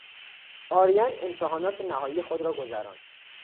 آرین امتحانات نهایی خود را گذراند.